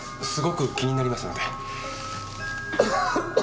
すごく気になりますので。